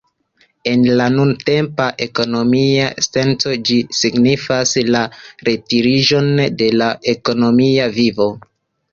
En la nuntempa ekonomia senco, ĝi signifas la retiriĝon de la ekonomia vivo.